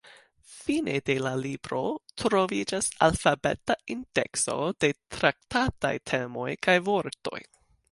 Fine de la libro troviĝas alfabeta indekso de traktataj temoj kaj vortoj.